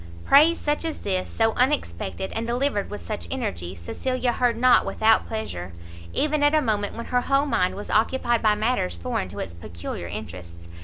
Praise such as this, so unexpected, and delivered with such energy, Cecilia heard not without pleasure, even at a moment when her whole mind was occupied by matters foreign to its peculiar interests.